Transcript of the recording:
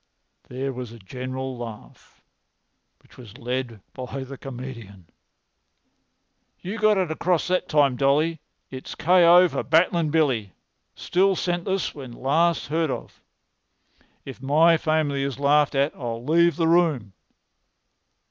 There was a general laugh, which was led by the comedian. "You got it across that time, Dolly. It's K.O. for Battling Billy—still senseless when last heard of. If my family is laughed at I'll leave the room."